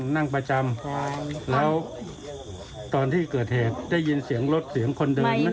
นั่งประจำแล้วตอนที่เกิดเหตุได้ยินเสียงรถเสียงคนเดิน